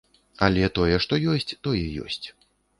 Але тое, што ёсць, тое ёсць.